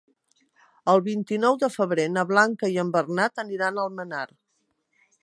El vint-i-nou de febrer na Blanca i en Bernat aniran a Almenar.